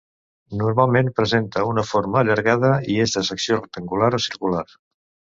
Normalment presenta una forma allargada i és de secció rectangular o circular.